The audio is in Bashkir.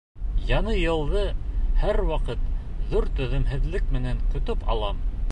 Яңы йылды һәр ваҡыт ҙур түҙемһеҙлек менән көтөп алам.